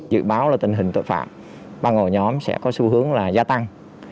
dự báo là tình hình tội phạm băng ở nhóm sẽ có xu hướng là gia tăng